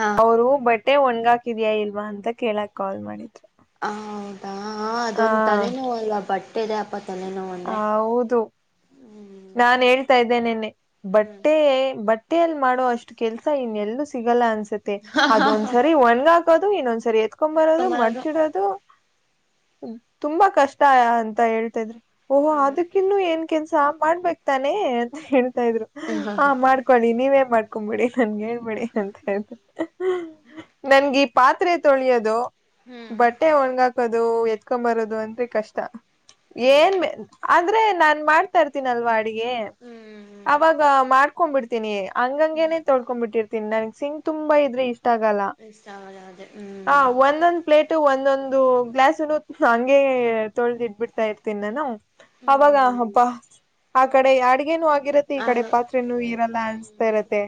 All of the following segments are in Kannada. ಹಾ ಅವರು ಬಟ್ಟೆ ಒಣ್ಗಾಕಿದ್ಯಾ ಇಲ್ವಾ ಅಂತ ಕೇಳಕ್ ಕಾಲ್ ಮಾಡಿದ್ರು ಹ ಹೌದಾ ಅದೊಂದ ತನೇನೋ ಅಲ್ಲ ಬಟ್ಟೆದೆ ಅಪತ್ ಹ ಹೌದು ಹ್ಮ್ ನಾನ್ ಹೇಳ್ತಾ ಇದ್ದೇನೆ ನಿನ್ನೆ ಬಟ್ಟೆ ಬಟ್ಟ್ ಬಟ್ಟೆಯಲ್ಲಿ ಮಾಡೋ ಅಷ್ಟು ಕೆಲ್ಸ ಇನ್ನ ಎಲ್ಲೂ ಸಿಗಲ್ಲ ಅನ್ಸುತ್ತೆ ಅದೊಂದ್ಸರಿ ಒಣಗಾಕೋದು ಇನ್ನೊಂದ್ಸ ಸರಿ ಎತ್ಕೊಂಬರೋದು ಮಡ್ಚಿಡೋದು ತುಂಬಾ ಕಷ್ಟ ಅಂತ ಹೇಳ್ತಾ ಇದ್ರಿ ಓಹೋ ಅದೇ ಅದಕ್ಕಿನ್ನು ಏನ್ ಕೆಲ್ಸ ಮಾಡ್ಬೇಕೇಕ್ತಾನೆ ಅಂತ ಹೇಳ್ತಾ ಇದ್ರು ಹ ಮಾಡ್ಕೊಳ್ಳಿ ನೀವೇ ಮಾಡ್ಕೊಬಿಡಿ ನನ್ಗೆ ಹೇಳ್ಬಿಡಿ ಅಂತ ಹೇಳ್ತ ನನ್ಗೆ ಈ ಪಾತ್ರೆ ತೊಳಿಯೋದು ಹ್ಮ್ ಬಟ್ಟೆ ಒಣಗಾಕದು ಎತ್ಕೊ ಬರೋದು ಅನ್ರಿ ಕಷ್ಟ ಅದೇ ಏನ್ ಮೆ ಆದ್ರೆ ನಾನ್ ಮಾಡ್ತಾ ಇರ್ತೀನಿ ಅಲ್ವಾ ಅಡಿಗೆ ಹ್ಮ್ ಅವಾಗ ಮಾಡ್ ತೊಕೊಂಡ್ಬ ಬಿಡ್ತೀಿ ಹ್ಮ್ ಹಂಗೇನೆ ತಳ್ಕೊಂಡ್ ಬಿಟ್ಟಿರ್ತೀಿನನ್ ಸಿಂಗ್ ತುಂಬಾ ಇದ್ರೆ ಇಷ್ಟ ಗಲ್ಲ ಇಷ್ಟ ಆಗಲ್ಲ ಅದೇ ಹ್ಮ್ ಒಂದೊಂದ್ ಪ್ಲೇಟ್ ಟು ಒಂದೊಂದು ಗ್ಲಾಸ್ನು ನಂಗೆ ತೊಳೆ್ದ ಇಟ್ಬಿಡ್ತಾ ಇರ್ತೀನಿ ನಾನ ಹ್ಮ್ ಅವಾಗ ಹ್ಮ್ ಹಬ್ಬ ಆ ಕಡೆ ಅಡ್ಗೆನುೂ ಆಗಿರತ್ತೆ ಈ ಕಡೆ ಹೌದು ಪಾತ್ನೂ ಇರಲ್ಲ ಅನ್ಸ್ತಾ ಇರತ್ತೆ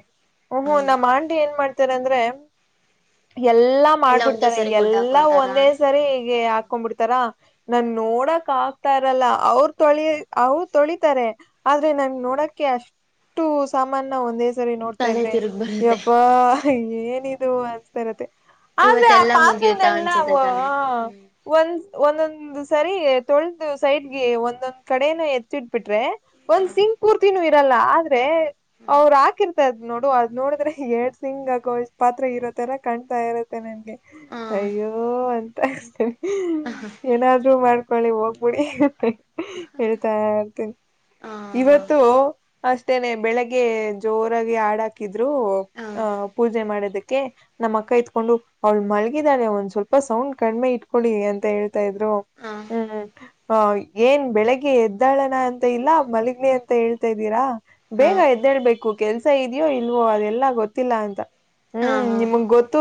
ಹ್ ಹ್ಮ್ ಹೌದು ನಮ್ಮ್ಂಡಿ ಏನ್ ಮಾಡ್ತ ಂದ್ರೆ ಎಲ್ಲಾ ಎಲ್ಲ ಒಂದೇ ಮಾಡ್ಬಿಡ್ತಾರೆ ಸರಿ ಗುಡ್ ಎಲ್ಲಾ ಹಾಕೊಂತಾರ ಒಂದೇ ಸರಿ ಈಗೆ ಹಾಕೊ್ಬ ಬಿಡ್ತಾರ ನನ್ ನೋಡಕ್ ಆ ತಾರಲ್ಲ ಅವ್ರ ತೊಳಿ ಅವರು ತೊಳಿತಾರೆ ಆದ್ರೆ ನಂಗೆ ನೋಡಕ್ಕೆ ಅಷ್ಟ ು ಸಾಮಾನ್ನ ಒಂದೆ ಸರಿ ನೋಡ್ತಾ ತಲೆ ಇದ್ರೆ ತಿರುಗ್ ಬರುತ್ತೆ ಯಪ್ಪಾ ಏನಿದು ಅನ್ಸ್ತಾ ಇರತ್ತೆ ಆದ್ರೆ ಆ ಇವತ್ತೆಲ್ಲಾ ಮುಗಿಯುತ್ತಾ ಪಾತ್ನೆಲ್ಲ ಅನ್ಸುತ್ತೆ ವಾ ತಾನೆ ಹ್ಮ್ ಒಂದ್ ಒಂದೊಂದು ಸರಿ ತೊಳ್ ಸೈಡ್ಗೆ ಒಂದೊಂದ್ ಕಡೆನ ಎತ್ತಿಟ್ಬಿಟ್ರೆ ಒಂದ್ ಸಿಂಗ್ ಪೂರ್ತಿನೂ ಇರಲ್ಲ ಆದ್ರೆ ಹ್ಮ್ ಹ್ಮ್ ಅವ್ರರು ಹಾಕಿರ್ತಾ ಇದ್ದಾ ನೋಡು ಅದು ನೋಡಿದ್ರೆ ಎರಡು ಸಿಂಗ್ ಹಾಕೋ ಅಷ್ಟು ಪಾತ್ರೆ ಇರೋ ತರ ಕಾಣ್ತಾ ಇರುತ್ತೆ ನನ್ಗೆ ಹಾ ಅಯ್ಯೋ ಅಂತ ಅತಿ ಹ ಏನಾದ್ರೂ ಮಾಡ್ಕೊಳ್ಳಿ ಹೋಗ್ ಪುಡಿ ಅತ್ತಾ ಹೇಳ್ತಾ ಇರ್ತೀನಿ ಹಾ ಇವತ್ತು ಅಷ್ಟ ತ್ತೇನೆ ಬೆಳಿಗ್ಗೆ ಜೋರಾಗಿ ಹಾಡ ಹಾಕಿದ್ರು ಆಹ ಪೂಜೆ ಮಾಡಿದೆ ದಕ್ಕೆ ನಮ್ಮ್ ಅಕ್ಕ ಇತ್ಕೊಂಡು ಅವಳು ಮಲ್ಗಿದ್ದಾಳೆ ಒಂದ್ ಸ್ವಲ್ಪ ಸೌಂಡ್ ಕಡಿಮೆ ಇಟ್ಕೊಳ್ಳಿ ಅಂತ ಹೇಳ ತ ಇದ್ರು ಹಾ ಹ್ಮ್ ಹ ಏನ್ ಬೆಳಿಗ್ಗೆ ಎದ್ದಾಳಣ ಅಂತ ಇಲ್ಲ ಮಲಗ್ಲಿ ಅಂತ ಹೇಳ್ತಾ ಇದ್ದೀರಾ ಹಾ ಬೇಗ ಎದ್ದೇಬೇಕು ಕೆಲ್ಸ ಇದ್ಯೋ ಇಲ್ವೋ ಅದೆಲ್ಲಾ ಗೊತ್ತಿಲ್ಲ ಅಂತ ಹಾ ಹ್ಮ್ ಹಾ ನಿಮಗ್ ಗೊತ್ತು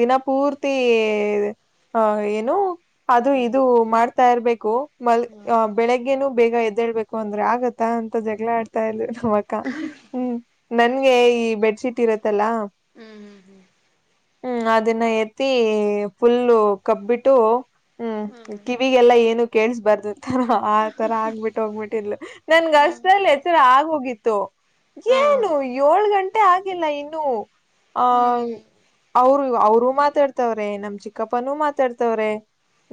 ದಿನ ಪೂರ್ತಿ ಹೇ ಆ ಏನು ಅದು ಹ್ಮ್ ಇದು ಮಾಡ್ತಾ ಇರ್ಬೇಕು ಮಲ್ ಬೆಳಗ್ಗೆೇನು ಬೇಗ ಎದ್ದೇಳ್ಬೇಕು ಅಂದ್ರೆ ಆಗತ್ತ ಅಂತ ಜಗಳ ಆಡ್ತಾ ಇದ್ಲು ನಮ್ಮ್ ಅಕ್ಕ ಹ್ಮ್ ನನ್ಗೆ ಈ ಬೆಡ್ ಶೀಟ್ ಇರತ್ತಲ್ಲ ಹ್ಮ್ ಹ್ಮ್ ಅದನ್ನ ಎತ್ತಿ ಫುಲ್ಲು ಕಬ್ಬಿಟ್ಟು ಹ್ಮ್ ಕಿವಿಗೆಲ್ಲಾ ಏನು ಕೇಳ್ ಬರ್ದ ತಾರ ಹಾ ಆತರ ಆಗ್ಬಿಟ್ಟು ಹೋಗ್ಬಿಟ್ಟು ಇಲ್ ನನ್ಗ ಅಷ್ಟಲ್ಲಿ ಎಚ್ಚರ ಆಗೋಗಿತ್ತು ಹಾ ಏನು ಏಳ್ ಗಂ ಟೆ ಆಗಿಲ್ಲ ಇನ್ನು ಆ ಹ್ಮ್ ಅವರು ಅವರು ಮಾತಾಡ್ತವ್ರೆ ನಮ್ ಚಿಕ್ಕಪ್ಪನೂ ಮಾತಾಡ್ತವ್ರೆ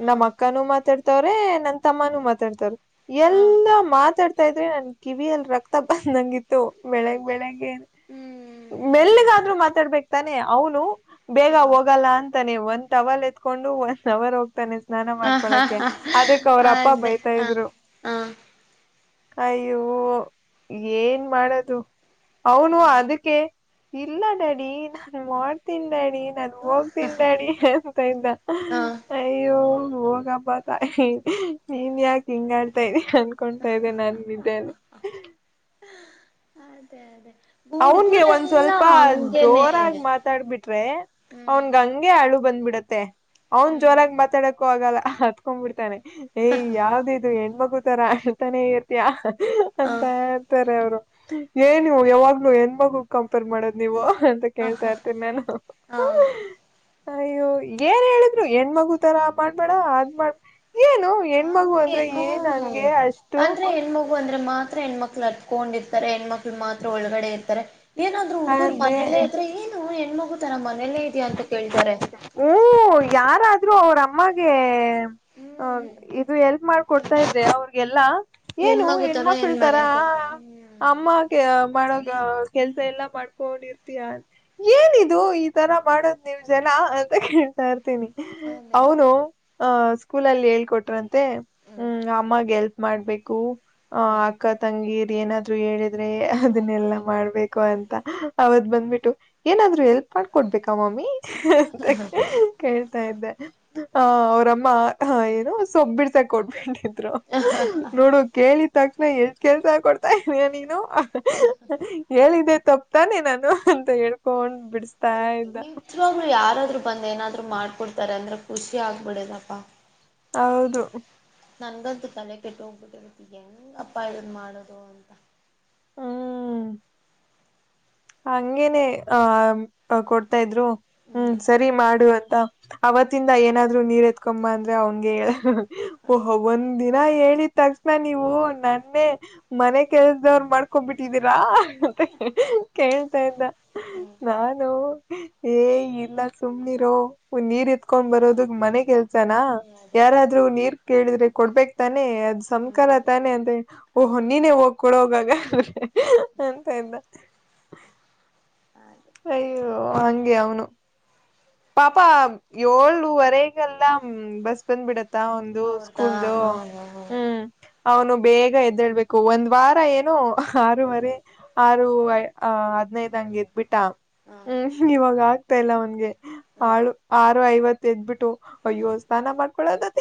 ಹಾ ನಮ್ಮ್ ಅಕ್ಕನುೂ ಮಾತಾಡ್ತ ವ್ರೆ ನನ್ ತಮ್ಮನೂ ಮಾತಾಡ್ತಾರ ಹಾ ಎಲ್ಲಾ ಮಾತಾಡ್ ತ ಇದ್ರಿ ನನ್ ಕಿವಿಯಲ್ಲಿ ರಕ್ತ ಬಂದಂಗಿತ್ತು ಬೆಳಗ್ ಅದೇ ಬೆಳಗ್ಗೆ ಹ್ಮ್ ಮೆಲ್ಗಾದ್ರರು ಮಾತಾಡ್ಬೇಕಕ್ ತಾನೆ ಅವನು ಬೇಗ ಹಾ ಹೋಗಲ್ಲ ಅಂತಾನೆ ಒಂದ ಟವಲ್ ಎತ್ಕೊಂಡು ಒನ್ ಅವರ್ ಹೋಗ್ತಾನೆ ಸ್ನಾನ ಹಾ ಮಾಡ್ಕೊಳಕ್ಕೆ ಹಾ ಅದಕ್ಕ ಅವ್ರ ಅಪ್ಪ ಅದೇ ಬೈತಾ ಹ ಇದ್ರು ಅಯ್ಯೋ ಏನ್ ಮಾಡದು ಅವನು ಹಾ ಹಾ ಅದಕ್ಕೆ ಇಲ್ಲ ಡ್ಯಾಡಿ ನಾನ್ ಮಾಡ್ತೀನಿ ಡ್ಯಾಡಿ ನ ಹೋಗ್ತೀನ್ ಡ್ಯಾಡಿ ಅಂತ ಇದ್ದ ಹಾ ಅಯ್ಯೋ ಹೋಗಪ್ಪ. ನೀನ್ ಯಾಕೆ ಹಿಂಗ ಆಡ್ತಾ ಇದೀಯ ಅನ್ಕೊತಾ ಇದೆ ನನ್ ನಿದ್ದೆಯಲ್ಲಿ. ಅದೇ ಅದೇ ಅವನ್ಗೆ ಒಂದ್ ಹುಡ್ಗುರೆಲ್ಲಾ ಸ್ವಲ್ಪ ಹಂಗೇನೆ ಜೋರಾಗಿ ಮಾತಾಡ್ಬಿಟ್ರೆ. ಹ್ಮ್ ಅವನ್ಗ ಹಂಗೆ ಅಳು ಬಂದ್ಬಿಡತ್ತೆ. ಅವನ್ ಹ್ಮ್ ಜೋರಾಗ ಮಾತಾಡಕ್ಕು ಆಗಲ್ಲ ಅತ್ಕೊಂಡ್ ಬಿಡ್ತಾನೆ ಏಯ ಯಾವ್ದ ಇದು ಹೆಣ್ಮಗು ತರ. ತಾನೆ ಇರ್ತಯ ಅಂತ ಇರ್ತಾರೆ ಅವರು ಏನು ಯಾವಾಗ್. ಎನ್ ಯವಾಗು ಹೆಣ್ಮಗು ಕಂಪೇರ್ ಮಾಡೋದ್ ನೀವು ಅಂತ ಕೇಳ್ತಾ ಇರ್ತೀನಿ ನಾನು. ಹಾ. ಅಯ್ಯೋ ಏನ್ ಹೇಳಿದ್ರು ಹೆಣ್ಮಗು ತರ ಮಾಡ್ಬೇಡ ಅದ್ ಮಾಡ್ ಏನು. ಹೆಣ್ಮಗು ಹಂಗೆ ಅಂದ್ರೆ ಏನ್ ಹ್ಮ ಹಂಗೆ ಅಷ್ಟು. ಅಂದ್ರೆ ಹೆಣ್ಮಗು ಅಂದ್ರ ಮಾತ್ರ ಹೆಣ್ಮಕ್ಳು ಹತ್ಕೊಂಡಿರ್ತಾರೆ ಹೆಣ್ಮಕ್ಳು ಮಾತ್ರ ಒಳಗಡೆ ಇರ್ತಾರೆ. ಏನಾದ್ರು ಹುಡ್ಗರು ಅದೇ ಮನೆಯಲ್ಲೇ ಇದ್ರೆ ಏನು ಹೆಣ್ಮಗು ತರ ಮನೇಲ್ಲೇ ಇದೆಯಾ ಅಂತ ಕೇಳ್ತಾರೆ. ಹ್ಮ ಯಾರಾದ್ರೂ ಅವರಮ್ಮಗೆ ಹ್ಮ್ ಇದು ಎಲ್ಫ್. ಮಾಡ್ಕೊಡ್ತಾ ಇದ್ರೆ ಅವ್ರಗೆಲ್ಲಾ. ಏನು ಹೆಣ್ಮಗು ತರ ಏನ್ ಹೆಣ್ಮಕ್ಳತಾರ ಮನೇಲಿ ಹ್ಮ್ ಅಮ್ಮಗೆ. ಮಾಡ ಕೆಲ್ಸ ಎಲ್ಲಾ ಮಾಡ್ಕೊಂಡಿರ್ತಯ ಏನಿದು ಈ ತರ ಮಾಡದ್ ನೀವ್ ಜನ. ಕೇಳ್ತಾ ಇರ್ತೀನಿ ಅದೇ ಅವನು ಅ ಸ್ಕೂಲಲ್ಲಿ. ಹೇಳಿ ಕೊಟ್ರಂತೆ ಹ್ಮ್ ಹ್ಮ ಅಮ್ಮಗೆ ಎಲ್ಪ್ ಮಾಡ್ಬೇಕು ಅ ಹ್ಮ ಅಕ್ಕ ತಂಗಿರ್ ಏನಾದ. ಹೇಳಿದ್ರೆ ಅದನ್ನೆಲ್ಲ ಮಾಡ್ಕೊಡ್ಬೇಕು ಮಾಡ್ಬೇಕು ಹ್ಮ್ ಅಂತ ಅವತ್ ಬಂದ್ಬಿಟ್ಟು ಏನಾದ್ರೂ. ದ್ರು ಹೆಲ್ಪ್ ಮಾಡ್ಬೇಕ ಮಮ್ಮಿ ಅಂತ ಕೇಳ್ತಾ ಹ ಇದ್ದೆ. ಅವ್ರಮ್ಮ ಹ್ಮ್ ಏನ ಸೊಬ್ಬಿಡ್ಸ ಕೊಟ್ಬಿಟ್ಟಿದ್ರು ನೋಡು ಕೇಳ. ಕೇಳಿದ್ ತಕ್ಷಣ ಎಷ್ಟು ಕೆೇಳ್ಸ ಕೊಡ್ತಾ ಇದಿಯ ನೀನು ಹೇಳಿದೆೆ ತಪ್ಪ. ತಾನೆ ನಾನು ಅಂತ ಹೇಳ್ಕೊಂಡ್. ಬಿಡಿಸತಾ ಇದ್ದ ನೀಜ್ವಾಗ್ಲು ಯಾರಾದ್ರೂ ಬ. ಬಂದ್ ಏನಾದ್ರು ಮಾಡ್ಕೊಡ್ತಾರೆ ಅಂದ್ರೆ ಖುಷಿ ಆಗ್ಬಿಡದಪ್ಪಾ. ಹೌದು. ನನ್ಗಂತ ಕಲೆ ಕೆಟ್ಟ ಹೋಗ್ಬಿಟ್ಟಿರತಿಗಂಗ ಅಪ್ಪ ಇದ್ ಮಾಡೋದು ಅಂತ. ಹ್ಮ್. ಹಂಗೇನೆ ಆ ಕೊಡ್ತಾ ಇದ್ರು ಹ್ಮ್ ಸರಿ ಮಾಡು ಅಂತ. ಅವತ್ತಿಂದ ಏನಾದ್ರು ನೀರ್ ಎತ್ಕೊಂಬ ಅಂದ್ರೆ ಅವನ್ಗೆ ಹೇಳ ಓಹ ಒಂದಿನ. ಹೇಳಿದ ತಕ್ಷಣ ನೀವು ನನ್ನೆ ಮನೆ ಕೆಲ್ಸದವ್ರು ಮಾಡ್. ಕೊಂಡು ಬಿಟ್ಟಿದ್ದೀರಾ ಅಂತ ಕೇಳ್ತಾ ಇದ್ದ ಹ್ಮ್ ನಾನು. ಹೇ ಇಲ್ಲ ಸುಮ್ನಿರೋ ನೀರ್ ಇತ್ಕೊಂಡ್ ಬರೋದಗ್ ಮನೆ ಕೆಲ್ಸ. ನ ಹ್ಮ್ ಅದೇ ಯಾರಾದ್ರೂ ನೀರ್ ಕೇಳಿದ್ರೆ ಕೊಡ್ಬೇಕ್ ತಾನೇ. ತಾನೆ ಅದ್ ಸಂಕಾರ ಹ್ಮ್ ತಾನೆ ಅಂದ ಓ ಹ ಓಹ್ ನೀನ ಹೋಗಿ ಕೊಡು ಹೋಗಾಗ. ಹ್ಮ. ಅಯ್ಯೋ ಹಂಗೆ ಅವನು. ಪಾಪ ಏಳುವರೆಗೆಲ್ಲ ಬಸ್ ಬಂದ್ ಬಿಡತ್ತ. ತ್ತ ಅವನ್ ಅವ್ರ್ದಾ ದುಸ್ಕೂಲ್ದು ಹ ಹ ಹ ಹ್ಮ್. ಅವನು ಬೇಗ ಎದ್ದೇಳ್ಬೇಕು ಒಂದ್ ವಾರ ಏನು ಆರುವರೆ ಆರು. ಹದ್ನೈದ್ ಹಂಗೆ ಇದ್ಬಿಟ್ಟ ಹ್ಮ್ ಇವಾಗ ಆಗ್ತಾ ಇಲ್ಲ ಆವನ್ಗೆ ಹ ಹ ಆರು. ಐವತ್ತು ಎದ್ಬ ಬಿಟ್ಟು ಹ ಅಯ್ಯೋ ಸ್ನಾನ ಮಾಡ್ಕೊಳ್ಳಳೋದತ್ತ.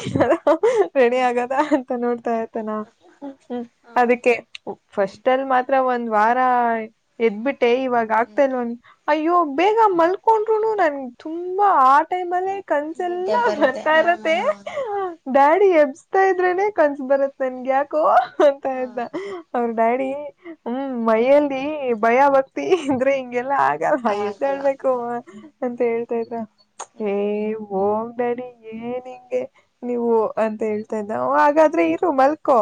ರೆಡಿ ಹ್ಮ ಆಗದ ಅಂತ ನೋಡ್ತಾ ಇರ್ತಾನ ಹ್ಮ ಹ ಅದಕ್ಕೆ ಹ್ಮ್ ಫಸ್ಟ್ಲ್. ಮಾತ್ರ ಒಂದ್ ವಾರ ಎದ್ಬಿಟ್ಟೆ ಇವಾಗ ಹ್ಮ್ ಆಗ್ತಲ್ ಒಂದ ಅಯ್ಯೋ. ಬೇಗ ಮಲ್ಕೊಂಡ್ರುನು ನನ್ಗೆ ತುಂಬಾ ಆ ಟೈಮ್ ಅಲ್ಲೇ. ಕನ್ಸಲ್ಲ ನಿದ್ದೆ ಬರುತ್ತೆ ಬರ್ತಾ ಹ ಇರತ್ತೆ. ಹ ಡ್ಯಾಡಿ ಎಬ್ಸ್ತಾ ಇದ್ರೇನೆ ಕನ್ಸ ಬರತ್ ನನ್ಗ ಯಾಕೋ. ಅಂತ ಹ ಇದ್ದ ಅವ್ರ ಡ್ಯಾಡಿ. ಹ್ಮ್ ಮೈಯಲ್ಲಿ ಭಯ ಭಕ್ತಿ ಇದ್ರೆ ಹಿಂಗೆಲ್ಲಾ ಆಗಲ್ಲ ಎದ್ಳ್ಬೇಕು. ಅಂತ ಹೇಳ್ತಾ ಇದ್ದ ಏ ಹ್ಮ್ ಹೋಗ್. ಡ್ಯಾಡಿ ಏನ್ ಹಿಂಗೆ ನೀವು ಅಂತ ಹೇಳ್ತಾ ಇದ್ದ ಒ ಹಾಗಾದ್ರೆ ಇರು ಮಲ್ಕೊ.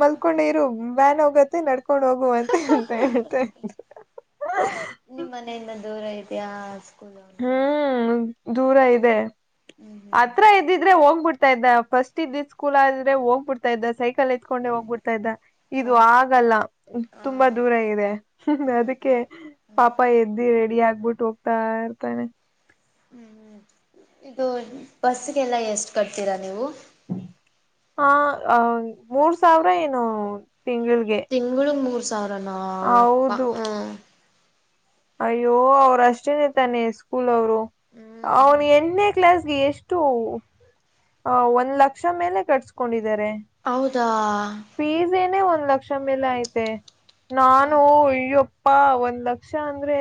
ಮಲ್ಕೊಂಡೆ ಇರು ವ್ಯಾನ್ ಹೋಗತ್ತೆ ನಡ್ ಕೊಂಡು ಹೋಗು ಅಂತ ಹ್ಮ್ ಅಂತ ಹೇಳ್ತ ಇದ್ದ. ಯಾಜ್. ಹ್ಮ್ ದೂರ ಇದೆ ಹ್ಮ್ ಹ್ಮ್ ಹತ್ರ ಇದ್ದಿದ್ರೆ ಹೋಗ್ಬಿಟ್ಟ ತ ಇದ್ದ ಫಸ್ಟ್ ಇದ್ದಿದ ಸ್ಕೂಲ್ ಆದ್ರೆ ಹೋಗ್ಬ ಬಿಡ್ತಾ ಇದ್ದ ಸೈಕಲ್ ಎತ್ಕೊಂಡೆ ಹೋಗಬುಡ್ತ ತಾ ಇದ್ದ ಹ ಇದು ಆಗಲ್ಲ ಹ ತುಂಬಾ ದೂರ ಇದೆ ಹೌದಾ ಅದಕ್ಕೆ ಹ್ಮ್ ಪಾಪ ಎದ್ದಿ ರೆಡಿ ಆಗ್ಬಿಟ್ಟು ಹೋಗ್ತಾ ಇರ್ತಾನೆ. ಹ್ಮ್ ಇದು ಬಸ್ಗೆಲ್ಲ ಎಷ್ಟ ಕಟ್ತೀರಾ ನೀವು. ಆ ಹ ಮೂರ್ ಸಾವ್ರ ಏನೋ. ತಿಂಗಳು ಮೂರ ಸಾವ್ರಾನೊ ಏಪ್ಪಾ ಹೌದು ಹ್ಮ. ಅಯ್ಯೋ ಅವ್ರ ಅಷ್ಟೇನೆ ತಾನೆ ಸ್ಕೂಲ್ ಅವ್ರು ಹ್ಮ್ ಅವನು ಎಣ್ಣೆ. ಕ್ಲಾಸ್ಗೆ ಎಷ್ಟು ಅ ಒಂದ್ ಲಕ್ಷ ಮೇಲೆ ಕಟ್ಸ್ಕೊಂಡಿ ಇದಾರೆ ಹೌದಾ ಫಿಜೆನ್ ಒಂದ್ ಒಂದ್ ಲಕ್ಷ ಮೇಲೆ ಐತೆ ನಾನು ಹ್ಮ್ ಅಯ್ಯಪ್ಪ ಒಂದ್ ಲಕ್ಷ ಅಂದ್ರೆ.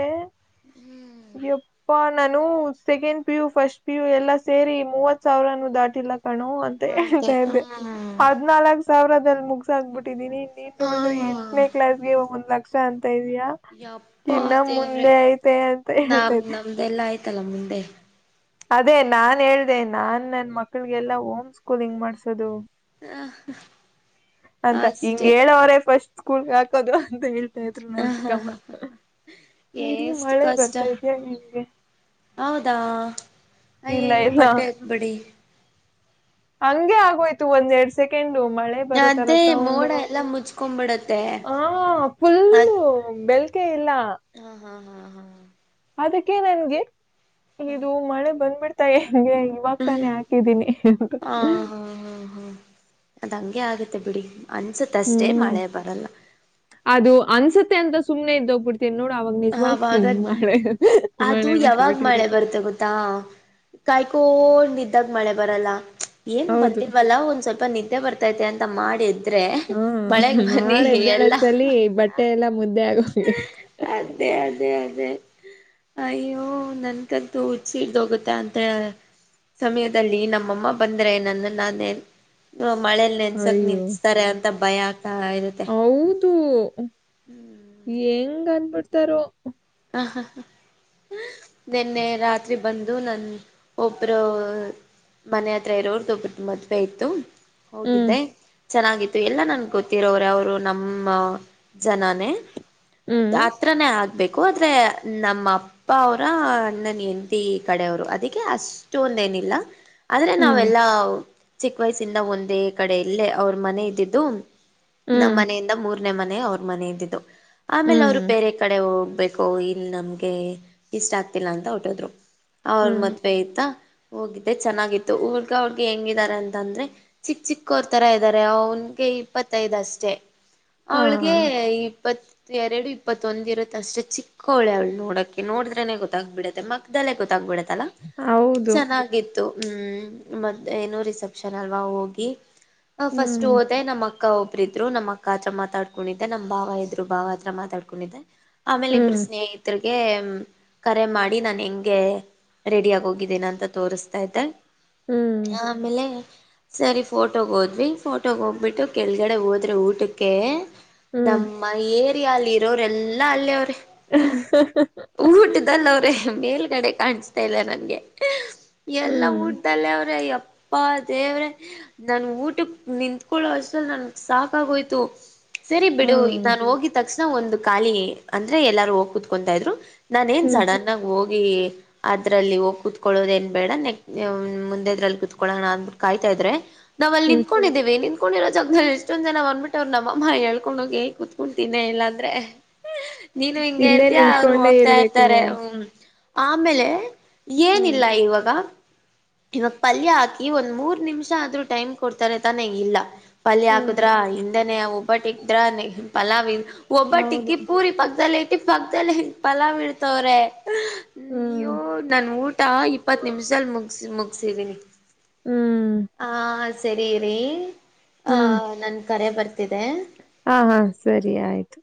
ಹ್ಮ್ ಎಪ್ಪಾ ನಾನು second P U first P U ಎಲ್ಲಾ ಸೇರಿ ಮೂವತ್ ಸಾವ್ರನು ದಾಟಿಲ್ಲ. ಕಣೋ ಅಂತೆ ಅದೇ ಹೇಳ್ತಾ ಇದ್ದೆ ಹ್ಮ್ ಹದ್ನಾಲಕ್ ಸಾವ್ರದಲ್ಲಿ ಮುಗಸ ಹಾಕ್ಬಿಟ್ಟಿದೀನಿ. ನೀನ್ ನೋಡದ್ರೆ ಹ್ಮ್ ಎಂಟನೇ ಕ್ಲಾಸ್ಗೆ ಒ ಒಂದ್ ಲಕ್ಷ ಅಂತ್ ಅಂತಾ ಇದೀಯಾ ಯಪ್ಪಾ ಇನ್ನ ದೇವ್ರೆ ಮುಂದೆ ಐತೆ ಅಂತ. ಹೇಳ್ತಾ ನಮ್ ಇದ್ದೆ ನಮ್ದೆಲ್ಲಾ ಆಯ್ತಲ್ಲ ಮುಂದೆ. ಅದೇ ನಾನ್ ಹೇಳ್ದೆ ನಾನ್ ನನ್ ಮಕ್ಳಿಗೆಲ್ಲಾ ಹೋಮ್ ಸ್ಕೂಲಿಂಗ್ ಮಾಡ್ಸದು. ಆ ಅಂತ ಹಿಂಗ ಹೇಳವ್ರೆ ಫಸ್ಟ್ ಸ್ಕೂಲ್ಗೆ ಹಾಕದು ಅಂತ ಹೇಳ್ ಅಂತಾ ಇದ್ರು ನಮ್ ಚಿಕಮ್ಮ ಇರಿ ಎಷ್ಟು ಮಳೆ ಕಷ್ಟ ಬರ್ತ ಇದ್ಯಾ ಹೆಂಗೆ. ಹೌದಾ ಅಯ್ಯಯ್ಯೋ ಇಲ್ಲ ಬಟ್ಟೆ ಏತ್ಬಿಡಿ. ಹಂಗೆ ಆಗೋಯ್ತು ಒಂದ್ ಎರಡ್ ಸೆಕೆಂಡ್. ಊ ಮಳೆ ಬರೋ ತರ ಅದೇ ಮೋಡ ಸೌಂಡು ಎಲ್ಲ ಮುಚ್ಕೊಂಡ್ಬಿಡತ್ತೆ ಹ ಅದ್ ಫುಲ್ಲು ಬೆಲ್ಕೆ ಇಲ್ಲ. ಹಾ ಹಾ ಹಾ ಹಾ ಅದಕ್ಕೆ ನನ್ಗೆ ಇದು ಮಳೆ ಬಂದ್ಬಿಡ್ತಾ ಹೆ ಹಂಗೆ ಇವಾಗ ತಾನೆ ಹಾಕಿದ್ದೀನಿ ಹಾ ಹಾ ಹಾ ಹಾ ಅದ್ ಹಂಗೆ ಆಗತ್ತೆ ಬಿಡಿ ಅನ್ಸತ್ ಅಷ್ಟೇ ಹ್ಮ್ ಮಳೆ ಬರಲ್ಲ. ತೆ ಎಂತ ಸುಮ್ನೆ ಇದ್ದ ಹೋಗ್ ಬಿಡ್ ತಿನ್ ನೋಡ ಅವಾಗ ನಿಜವಾಗ ಆವಾಗ ಮಳೆ ಅದು ಮಳೆ ಬಂದಬಿಟ್ಟ ಇರುತ್ತೆ. ಕಾಯಿಕೊ ಕೊಂಡ್ ನಿದ್ದಾಗ ಮಳೆ ಬರಲ್ಲ ಏನ್ ಹೌದು ಬಂದಿಲ್ವಲ್ಲ ಒಂದ್ ಸ್ವಲ್ಪ ನಿದ್ದೆ ಬರ್ತೈತೆ ಅಂತ- ತ ಮಾಡಿ ಎದ್ ಹ್ಮ್ ಮಾಡ್ ಎದ್ದೆಳರಸ್ಟಲ್ಲಿ ಬಟ್ಟೆ ಎಲ್ಲಾ ಮುದ್ದೆ ಆಗಹೋಗಿರುತ್ತ ಏ ಅದೇ ಅದೇ. ಅಯ್ಯೋ ನನ್ಕಂತು ಹುಚ್ಚಿಡ್ದ ಹೋಗುತ್ತ ಅಂತ ಹೇ ಸಮಯದಲ್ಲಿ ನಮ್ಮಮ್ಮ ಬಂದ್ರೆ ನನ್ನನ್ ನಾನೇ ಮಳೇಲ ನೆನ್ಸಕ್ ಅಯ್ಯೋ ನಿಂತಸ್ತಾರೆ ಅಂತ ಭಯ ಆಗ್ತಾ ಇರತ್ತೆ. ತೂ ಹೆಂಗ ಅಂದಬಿಡ್ತಾರೋ. ಹಾ ಹಾ ಹಾ ನಿನ್ನೆ ರಾತ್ರಿ ಬಂದು ನನ್ ಒಬ್ರು ಮನೆ ಹತ್ರ ಇರೋರ್ದ ಒಬ್ಬುರ್ದ ಮದ್ವೆ ಇತ್ತು. ಹ್ಮ್ ಹೋಗಿದ್ದೆ ಚೆನ್ನಾಗಿತ್ತು ಎಲ್ಲಾ ನನ್ಗ್ ಗೊತ್ತಿರೋರೆ ಅವ್ರು ನಮ್ಮ. ಜನಾನೇ ಹ್ಮ್ ಹತ್ರನೇ ಆಗ್ ಹೊದ್ರೆ ನಮ್ಮ ಅಪ್ಪ ಅವರ ಅಣ್ಣನ ಹೆಂಡ್ತಿ ಕಡೆ ಅವರು ಅದೀಕ್ಕೆ ಅಷ್ಟು ಒಂದ ಎ ಲ್ಲ [inaudible] ಆದ್ರೆ ಹ್ಮ್ ನಾವೆಲ್ಲಾ ಚಿಕ್ಕ ವಯಸ್ಸಿಂದ ಒಂದೇ ಕಡೆ ಇಲ್ಲೇ ಅವ್ರ ಮನೆ ಇದ್ದಿದ್ದು. ನಮ್ಮ್ ಹ್ಮ್ ಮನೆಯಿಂದ ಮೂರನೇ ಮನೆ ಅವ್ರ ಮನೆಯ್ದಿದ್ದು. ಆಮೇಲೆ ಅವ್ರು ಹ್ಮ್ ಬೇರೆ ಕಡೆ ಓ ಇಲ್ ನಮ್ಗೆ ಇಷ್ಟ ಆಗ್ತಿಲ್ಲ ಅಂತ ಹೊರಟ್ಟೋದ್ರು. ಅವ್ರ ಹ್ಮ್ ಮದ್ವೆ ಆಯ್ತಾ ಹೋಗಿದ್ದೆ ಚೆನ್ನಾಗಿತ್ತು. ಹುಡ್ಗ-ಹುಡ್ಗಿ ಹೆಂಗಿದ್ದಾರೆ ಅಂತಂದ್ರೆ ಚಿಕ್ಕ ಚಿಕ್ಕ ಅವರ್ ತರ ಇದ್ದಾರೆ. ಅವನಿಗೆ ಇಪ್ಪತ್ತೈದಷ್ಟೇ, ಹಾ ಅವಳಿಗೆ ಇಪ್ಪತ್ ಎರಡು ಇಪ್ಪತ್ತೊಂದ ಇರುತ್ ಅಷ್ಟೇಚಿಕ್ಕ ವಳೆ ಅವಳ ನೋಡಕೆ ನೋಡಿದ್ರೇನೆಗೋತ್ತಾಗ್ಬಿ ಡತ್ತೆ ಮಖದಲ್ಲೇ ಗೊತ್ತಾಗ್ಬಿಡತ್ತೆ. ಹೌದು ಚೆನ್ನಾಗಿತ್ತು, ಹ್ಮ್, ಮತ್ತೇ ಏನು ರಿಸೆಪ್ಷನ್ ಅಲ್ವಾ ಹೋಗಿ ಫಸ್ಟ್ ಹ್ಮ್ ಹೋದೆ ನಮ್ಮಕ್ಕ ಅಕ್ಕ ಒಬ್ಬ್ರ ಇದ್ರು ನಮ್ಮ ಅಕ್ಕ ಹತ್ರ ಮಾತಾಡ್ಕೊಂಡಿದ್ದೆ. ನಮ್ಮ ಭಾವ ಇದ್ರು ಬಾವ ಹತ್ರ ಮಾತಾಡ್ಕೊಂಡಿದ್ದೆ. ಆಮೇಲೆ ಹ್ಮ್ ಗೆ ಕರೆ ಮಾಡಿ ನಾನ ಹಿಂಗೆ, ರೆಡಿ ಆಗಿ ಹೋಗಿದ್ದೇನ ಅಂತ ತೋರಿಸ್ತಾ ಇದ್ದೆ. ಹ್ಮ್ ಆಮೇಲೆ ಸರಿ ಫೋಟೋಗೆ ಹೋದ್ವಿ. ಫೋಟೋಗ ಹೋಗ್ಬಿಟ್ಟು ಕೆಳಗಡೆ ಹೋದ್ರೆ ಊಟಕ್ಕೆ ಹ್ಮ್ ನಮ್ಮ ಏರಿಯ ಅಲ್ಲಿ ಇರೋರ ಎಲ್ಲಾ ಅಲ್ಲೇ ಅವ್ರೆ. ಊಟದಲ್ಲ ಅವ್ರೆ [unintelligible] ಮೇಲ್ಗಡೆ ಕಾಣಿಸತಾ ಇಲ್ಲ ನನ್ಗೆ ಎಲ್ಲಾ ಹ್ಮ್ ಊಟ್ದಲ್ಲೆ ಅವ್ರೆ. ಯಪ್ಪಾ ದೇವ್ರೆ ನನ್ಗ ಊಟಕ್ ನಿಂಕೊಳ್ಳೋ ಅಷ್ಟರಲ್ಲಿ ನನ್ಗ ಸಾಕಾಗೋಯ್ತು. ಸರಿ ಬಿಡು ಹ್ಮ್ ನಾನು ಹೋಗಿದ ತಕ್ಷಣ ಒಂದು ಖಾಲಿ ಅಂದ್ರೆ ಎಲ್ಲಾರು ಹೋಗ್ ಕುತ್ಕೊಂಗತಾ ಇದ್ರು. ನಾನ ಏನ್ ಹ್ಮ್ ಸಡನಾಗಿಹೋಗಿ, ಅದ್ರಲ್ಲಿ ಹೋಗಿ ಕುತ್ಕೊಳ್ಳೋದ ಏನ್ ಬೇಡ. ನ ಮುಂದೆ ಇದ್ರಲ್ಲಿ ಕೂತ್ಕೊಳ್ಳನಂತಕಾಯ್ತ ಇದ್ರೆ ನಾವು ಅಲ್ಲಿ ಹ್ಮ್ ನಿಂತ್ಕೊಂಡಿದ್ದೇವಿ ನಿ ಕತ್ಕೊಂಡಿರೋ ಜಾಗದಲ್ಲಿ ಎಷ್ಟೊಂದ ಜನ ಬಂದ್ಬಿಟ್ಟ್ವ್ರೆ. ನಮ್ಮ ಹೇಳ್ಕೊಂಡೋಗಿ ಕುತ್ಕೊಂಡುಂತೀನ್ನೆ ಇಲ್ಲಾಂದ್ರೆ ನೀನು ಹಿಂಗೆ ಇಲ್ಲೇ ಇರ್ತೀಯ ಅವ್ರು ನಿಂತ್ಕೊಂಡೆ ಹೋಗ್ತಾ ಇರ್ಬೇಕು ಇರ್ತಾರೆ. ಹ್ಮ್ ಆಮೇಲೆ ಹ್ಮ್ ಏನಿಲ್ಲ ಇವಾಗ. ಇವಾಗ ಪಲ್ಯ ಹಾಕಿ ಒಂದ್ ಮೂರ್ ನಿಮಿಷ ಆದ್ರೂ ಟೈಮ್ ಕೊಡ್ತಾರೆ ತಾನೇ ಇಲ್ಲ, ಪಲ್ಯ ಹ್ಮ್ ಹಾಕುದ್ರ ಹಿಂದೇನೆ ಒಬ್ಬಟ್ಟ್ರಾ, ಪಲಾವ್ ಹೌದು ಒಬ್ಬಟ್ಟಿಕ್ಕಿ, ಪೂರಿ ಪಕ್ಕದಲ್ಲಿ ಇಟ್ಟಿ ಪಕ್ಕದಲ್ಲಿ ಹಿಂಗ ಪಲಾವ್ ಇಡ್ತವ್ರೆ. ಹ್ಮ್ ಅಯ್ಯೋ! ನನ್ಊಟ ಇಪ್ಪತ್ತು ನಿಮಿಷದಲ್ಲಿ ಮುಗಿಸಿ -ಮುಗಸಿದೀನಿ. ಹ್ಮ್ ಆ ಸರಿ ರಿ ಆ ಹ್ಮ್ ನನ್ ಕರೆ ಬರ್ತನಿ ಹಾ, ಹಾ ಸರಿ ಆಯ್ತು.